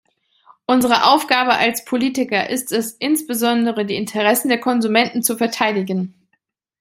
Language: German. Unsere Aufgabe als Politiker ist es, insbesondere die Interessen der Konsumenten zu verteidigen.